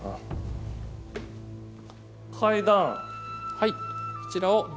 はい。